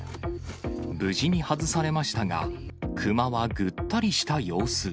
無事に外されましたが、熊はぐったりした様子。